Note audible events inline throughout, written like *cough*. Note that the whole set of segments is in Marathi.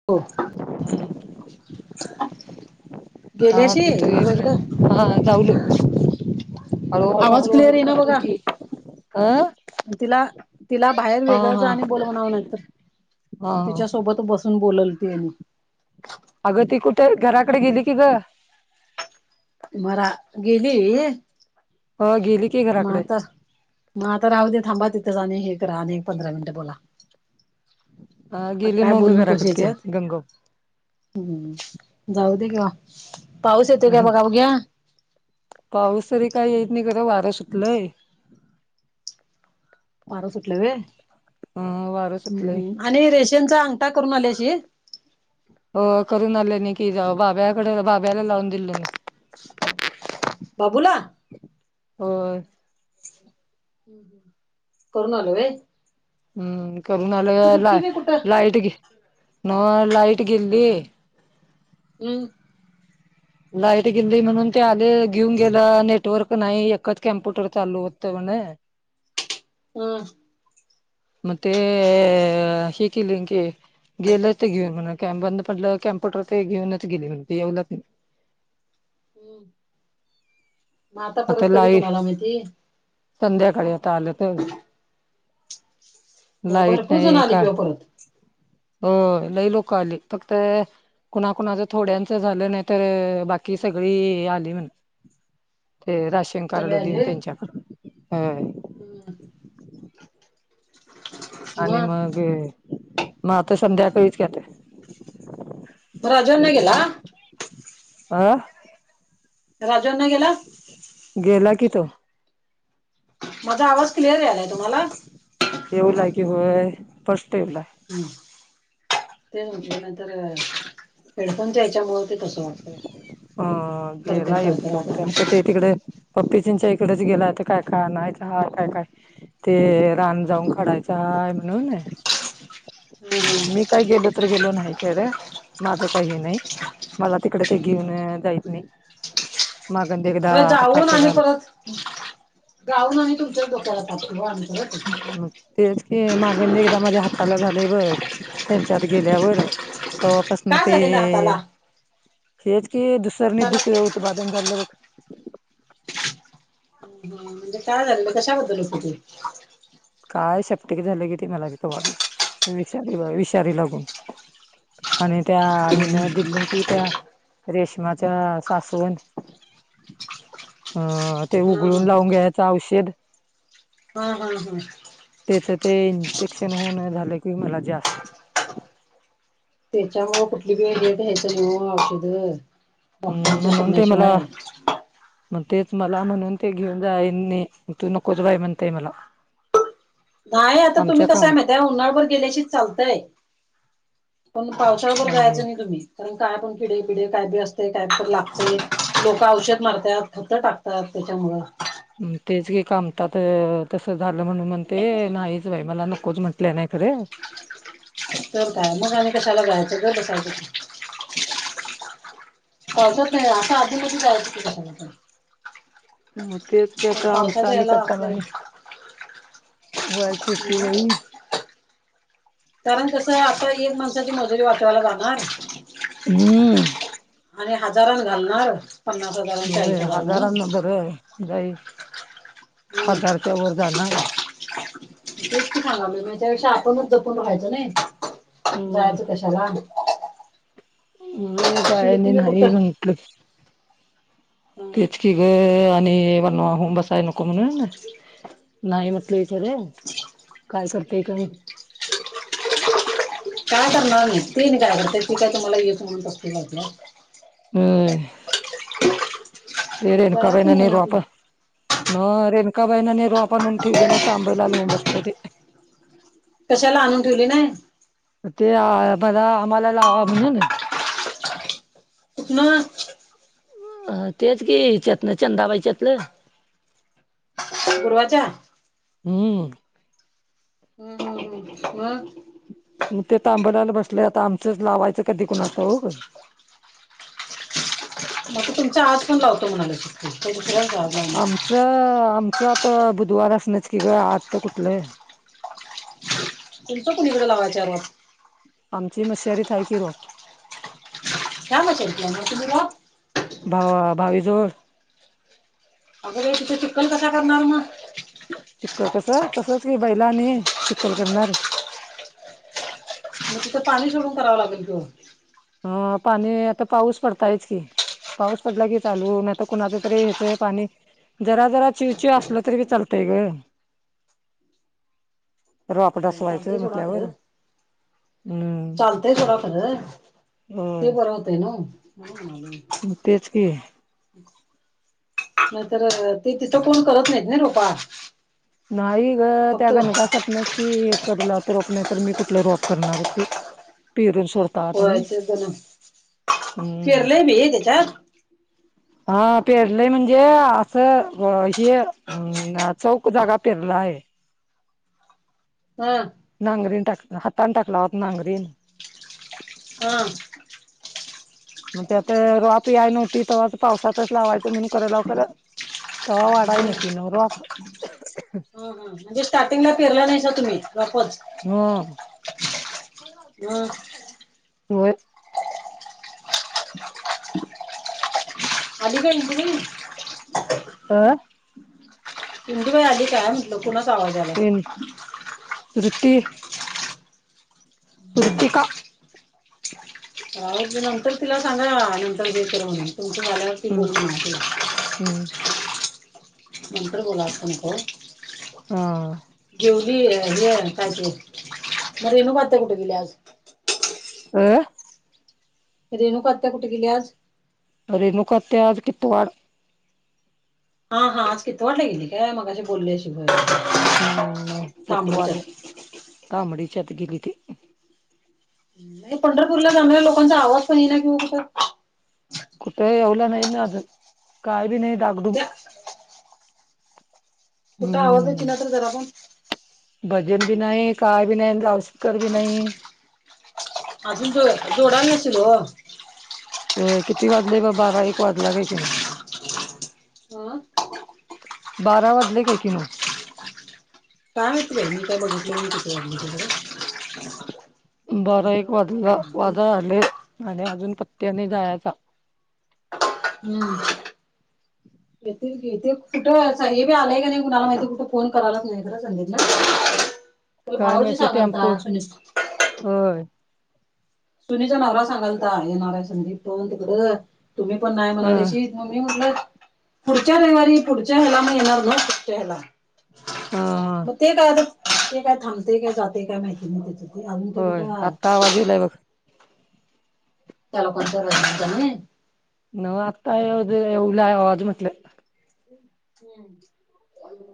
*inaudible* हो हा गेल्याशी ते तो हिंदूकडं हा चावल? हळूळ आवाज हळूळू क्लिअर ये ना जातो बघा की! तिला तिला बाहेर हा वेगळं जा हा आणि बोल म्हणावं नाही तर हा हा तिच्या सोबत बसून बोलल ती. अगं ती कुठे घराकडे गेली की ग! मरा, गेली? हो गेली की. म घराकडे आता मग आता राहू दे थांबा तिथं जा आणि हे करा आणि पंधरा मिनिट बोला. अ आता गेली काय न्हव का बोलू नकोस घराकड याच्यात गंगु? हम्म जा दे कि ओ पाऊस येतोय का बघा बघूया. पाऊस तरी काही येत नाही करां वारं सुटलंय. पार सुटलय अ वारं सुटलंय होय आणि रेशनचा अंगठा करून आल्याशी हो करून आलं न की जा बाब्याकडे बाब्याला लावून दिलेल मी. बाबूला? होय! करून आलो होय. हम्म करून आलं ला बी कुठं लाईट न्हव लाईट गेलेली. हम्म! लाईट गेली म्हणून ते आले घेऊन गेला नेटवर्क नाही एकच कॅम्प्युटर चालू होतं म्हण. हम्म! म ते हे केली की. गेलं होते घेऊन म्हण बंद पटलं कॅम्प्युटर ते घेऊनच गेले ते येवले मग आता परत कधी कोणाला माहिती? संध्याकाळी आता आलं तर. लाईट भरपूर जण नाही. आली का किंवा परत हो लई लोक आली फक्त कुणाकुणाच थोड्यांच झालं नाही तर बाकी सगळी आली म्हण. ते राशन सगळे कार्ड देऊन आले त्यांच्याकडून व्हय. हम्म. आणि मग मग आता संध्याकाळीच आत राजूअण्णा आणि गेला अ? राजू अण्णा गेला? गेला की तो. माझा आवाज क्लियर यायलाय तुम्हाला? येऊ लागे होय की फर्स्ट येऊ ला हम्म. ते म्हण तर हेडफोनच्या हेच्यामुळे ह. खरखर गेलाय खरखर *unintelligible* वाटायलय ते तिकडे पप्पी तेंच्या इकडेच गेलाय आता काय काय आणायचं हाय, काय काय ते रान जाऊन काढायचं आहे म्हणून मी काही गेलो तर गेलो नाही खर माझं काय हे नाही. मला तिकडे ते घेऊन जाइत नही. होय. जाऊन आणि परत जाऊन आणि तुमच्या डोक्याला ताप की ओ आणि परत हम्म. तेच की मागंदी एकदा माझ्या हाताला झालय बग त्यांच्यात गेल्यावर तवापासन काय ते झालेलं हाताला हेच की दुसरनी हाताला दुःख उत्पादन झालेल बघ म्हणजे काय झालेल कशाबद्दल होतं ते? काय शेपटीक झाल किती मला बी तवा बी विषारी बा विषारी लागून आणि त्या ते हिन दिली की त्या रेशमाच्या सासवण अ ते हा उगळून लावून घ्यायच औषध हा हा हं. त्याच ते इन्फेक्शन होऊन झालं की मला जास त्याच्यामुळ कुठली बी घ्यायचं नही ओ औषध? मोठ्यांच्या म्हणून ते मला सल्ल्याशिवाय. मग तेच मला म्हणून ते घेऊन जाई नाही तू नकोच बाय म्हणतय मला. नाही आता तुम्ही आमच्या कसं काम आहे माहित आहे उन्हाळबर गेल्याशी चालतंय. पण पावसाळ्याबर आणि जायचं नाही तुम्ही. कारण काय पण किडे पिडे काय बी असतय काय तर लागतय. लोक औषध मारतात फक्त टाक तर त्याच्यामुळ. हम्म. तेच ग कमतात तसं झालं म्हणून म्हणतय नाहीच बाई मला नकोच म्हण ल्या नही खरं. तर काय मग आणि कशाला जायचं गप्प बसायच की? पावसात नाही. असं आधी मधी जायच की कशाला तर? मग तेच की आत्ता आमचं आम्ही याला करताना आपलं आणि व्हायचंच की बई. कारण कसं हे आता एक माणसाची मजुरी वाटायला जाणार हम्म. आणि हजारान घालणार. पन्नास हजा होय. हजारांना बरं जाई हम्म हजार त्यावर जाणार. तेच सांगालोय म त्याच्यापेक्षा आपणच जपून राहायच नाही. होय जायचं कशाला? म्हणून काय श्रुती बी कुठं नाही म्हंटल हं. तेच की हे आणि वनवा होऊन बसायला नको म्हणून. नाही म्हटलं इकडे काय करतेय का काय कर ना निघतेय काय करते ती काय तुम्हाला य म्हणत असलं. होय, रेेन का ब जायचं ना नाही नर वाप. आपलं न रेनकाबाईना ने रो आपणून ठेवले ना तांबईला लवून बसले ते, कशाला आणून ठेवली नाही. ते मला आम्हाला लावा म्हणून. कुठं. अ तेच हिच्यातन चंदाबाईच्यातलं. उूर्वाच्या. हम्म! मग. ते तांबल्याला बसले आता आमचंच लावायचं कधी कुणाचं ठाऊक. मग त तुमचा आज पण लावतो म्हणा शिकत तस. आमचं आमचं आता बुधवार असणच की ग आज तर कुठलं. तुमचं कुणीकडे लावा चार आची मश्शरी थाय की रोप. कामचल म ना तुमहीला भावा भावी जोवड. अग रे तिथं चुक्कल कसा करणार मग, चिक्कल कस तसच कि बैला आणि चिककल करणार. मग तिथं पाणी सोडून करावं लागल की ओ ह पाणी आता पाऊस पडतायच की, पाऊस पडला की चालू नाही आता कुणाचं तरी येतोय पाणी. जरा जरा चिव चिव असलं तरी बी लतंय ग! *inaudible* परपड चालतंय असवायचं सोडा म्हटल्यावर हम्म! होतंय सोडा खर ते होय बरं होत नव्ह. तेच की, नाहीतर ते तिथं कोण करत नाहीत ना रोपा. नाही ग त्या फक्त गण घासात नाच. की कला आता रॉप नाही तर मी कुठला रॉप करणारती पिर होय सोडतातनी तेच हम्म! पेरले त्याचात. हा पेरलंय म्हणजे असं हे, हम् चौक जागा पेरला आहे. हा! नांगरीन टाक हातान टाकला होता नांगरीन, हा! मग त्या आत रपयाय नव्हती तेव्हा पावसाचाच लावायचं म्हणून करां लाव खरं. त वाडाय हा न नव रोप. हा म्हणजे स्टार्टिंगला पिरला नाहीस तुम्ही रोपच हा ह होय. *unintelligible* अ नंदू बाई आली काय आज. मग कोणाचाआवाज, येन वृती. ऋतिका. रा नंतर तिला सांगा नंतर जे कर म्हणे तुमच्याल्यावर ती बोल म्हणा तिला. हम्. मंतर बोला को हा घेऊली हे कायच म रेणू बात्या कुठे गेली आज *inaudible* रेणूक आत्या कुठे गेली आज- अेनुकते आज कित वाढ हा हा आज किती वाटली गेली काय मगशी बोलले तांबडीच्या ताबडीच्यात गिलीथ नाही पंढरपूरला जाणाऱ्या लोकांचा आवाज पण आहे ना किंवा कुसं कुठेही येवला नाही ना अजून काय बी नाही डाकडूम त्या कुठं आवाज आहे की ना तर जरा आपण. भजन बी नाही काय बी नाही जाव शकर बी नाही. अजून जो जोडा नशल हो. किती वाजले ब बारा एक वाजला का कि ना हह. बारा वाजले काही की नक कायेत त्या बघेट क बरा एक वाजला वाजळ आले आणि अजून पत्याने जायचा. हम्म. येथे येथे कुठं हे बी आलंय का नाही कुणाला माहितीे कुठं फोन करायलाच नाही खरा संंदेशला. तुला भाऊजी सांगालता सुनीस हो. सुनीचा नवरा सांगालता येणारा संदीप पवंत तकडं तुम्ही पण नाही ह म्हणाल्याशी मममी म्हटलं पुढच्या रविवारी पुढच्या ह्याला म येणार ना कठच्या ह्याला. हा ह. मग ते काय आता ते काय थांबते काय जाते काय माहिती नाही त्याच ते अजून का कुठं. आवाजी लाय ब त्यालाोणंतहि ना न आत्ता येवल आवाज म्हटलं. हम्म. आणि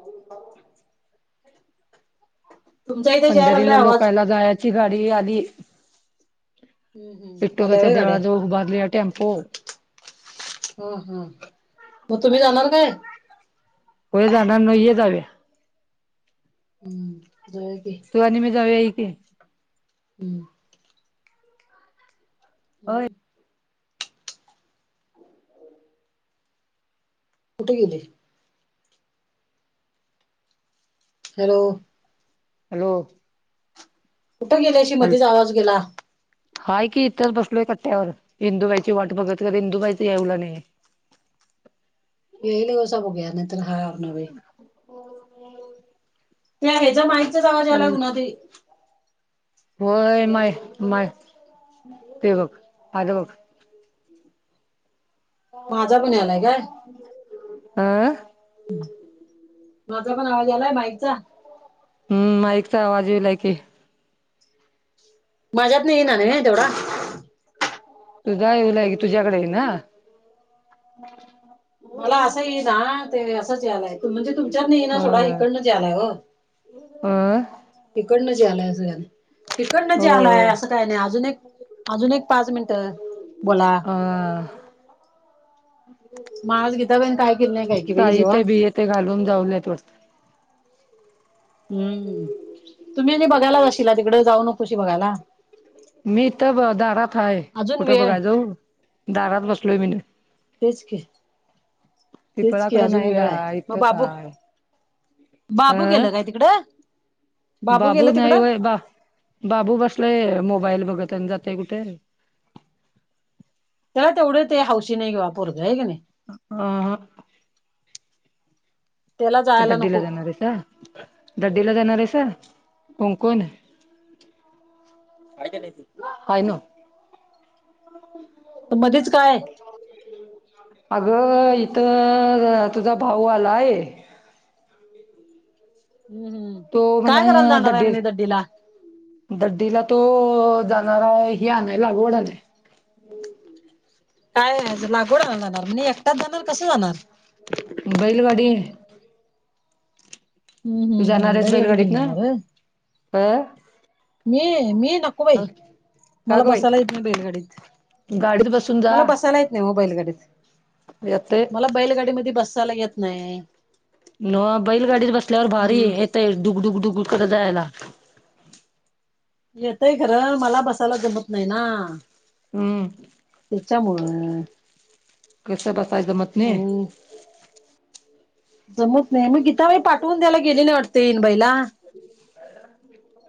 तुमच्या इथे यायला लागलाय पंढरीला आवाज लोकायला जायची गाडी आधी. आल्या पिट्टोकाच्या व्हय गाड्या देळाजवळ उभारली या टेम्पो ह ह मग तुम्ही जाणार काय. होय जाणार नये जावे. हम्म. तू आ मी जाऊ याई की हम्म. होय हम्. हो. कुठे गेले. हॅलो! हॅलो! कुठं गेल्याशी हॅलो मधीच आवाज गेला. हाय की इथंच बसलोय कट्ट्यावर हिंदूबाईची वाट बघत का इिंदूबाईच यावला नाही. येई लग सो घ्या नाही तर हार न भ हो. त्या ह्याच्या माहितच जाग जेला कुणा्हा होय मय माय ते बक आ बघ. माझा पण आलाय काय. आं माझा पण आवाज आलाय बाईकचा, हम्म, माइकचा आवाज येव लायकी, माज्यातन येईना नव्हे, तेवढा तू जा येईलाय की तुझ्याकडे येईना. मला असं येईना ते असंच यालाय. म्हणजे तुमच्यात नाही ना थोडा अ इकडनच आलाय हो. अ तिकडनंच यायलाय. तिकडनच हो यायलाय. असं काय नाही अजून एक अजून एक पाच मिनट बोला ह *inaudible* मगं आज गीताबाईन काय केलंय काय की बाई साई ते जेवण? बिये ते घालून जाऊलेत वाटत. हम्म, तुम्ही आणि बघायला. जाशील तिकड जाऊ नकोशी बघायला. मी इथं दारात हा, अजून कुठं वेळ बघाय जाऊ दारात बसलोय मी नव्ह तेच की तेच की पिपळाकडे अजून नाही जा वेळ आहे मग इथंच बाबू आहे. बाबू गेलं काय तिकडं अं बाबू गेलं नाही तिकडं होय बा बाबू बसलाय मोबाईल बघत आणि जातय कुठे. त्याला तेवढं ते हौशी नाही घेवा पोरग आहे का नाही. ह ह त्याला जायला दड्डीला नको जाणार आहेस. दड्डीला जाणार आहेस कोण कोण हाय नव्ह. तर मध्येच काय, अगं इथ तुझा भाऊ आलाय. हम्म हम्म तो म्हण काय करायला जाणार आहे दड्डी म्हणे दड्डीला दड्डी तो जाणारा आहे. हि आणाय लागवड आणाय. काय लागवड आणायला जाणार म्हणजे एकटाच जाणार कस जाणार? बैलगाडी हम्म तू हम्म जाणार हम्म आहेस बैलगाडी घेऊन बैलगाडीतन जाणार होय हा मी मी नक हा मला बसायला येत नाही. बैलगाडीत गाडीत बसून मला बसायला येत नाही हो बैलगाडीत. येतेय. मला बैलगाडीमध्ये बसायला येत नाही. नव्ह. बैलगाडीत बसल्यावर भारी हम्म येतय डुकडुक डुगुड करत जायला. येतय खरं मला बसायला जमत नाही ना. हम्म तुमच्यामुळ कस बसाय जमत नाही. आणि जमत नाही मग गीताबाई पाठवून द्यायला गेलेल्या वाटत इनबाईला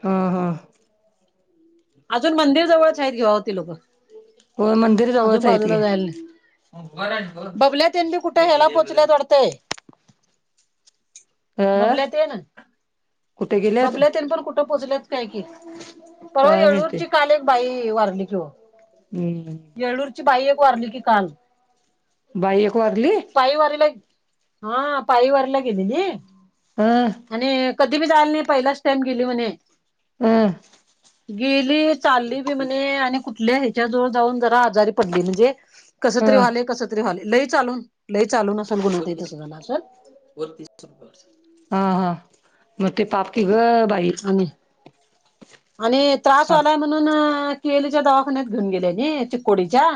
हम हम अजून मंदिर जवळच आहेत घेवा ती लोकं होय मंदिर जवळच आहेत की. जायला नाही बबल्या तेन बी कुठे ह्याला पोचल्यात वाटतंय अ बबल्या तेन कुठे गेल्यात बबल्या तेन पण कुठं पोचल्यात काय कि परवा काय माहिती येळूरची काल एक बाई वारली किं वो हम्म येळूर ची बाई एक वारली की काल बाई एक वारली. पायवारीला हा पायवारीला गेली न अ आणि कधी बी जाल नाही पहिलाच टाईम गेली म्हणे हं गेली चालली बी म्हणे आणि कुठल्या ह्याच्या जवळ जाऊन आज प म्हण अ करी क चालून ल चालून असेल गुन्हा ते तसं झालं असेल हा, हा म ती पाप. ती घं बाई. आणि आणि त्रास हा व्हालाय म्हणून अ के ई ली च्या दवाखान्यात घेऊन गेल्यानी चिकोडीच्या